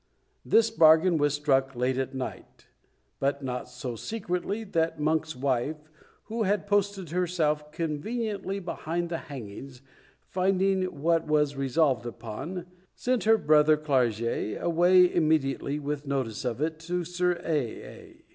This bargain was struck late at night: but not so secretly but that Monk's wife, who had posted herself conveniently behind the hangings, finding what was resolved upon, sent her brother Clarges away immediately with notice of it to Sir A.A.